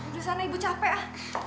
di sana ibu capek ah